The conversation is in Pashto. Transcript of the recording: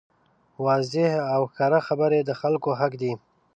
واضحې او ښکاره خبرې د خلکو حق دی.